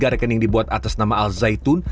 tiga puluh tiga rekening dibuat atas nama al zaitun